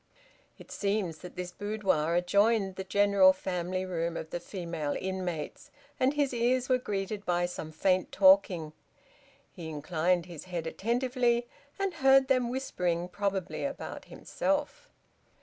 It seems that this boudoir adjoined the general family room of the female inmates, and his ears were greeted by some faint talking. He inclined his head attentively, and heard them whispering probably about himself.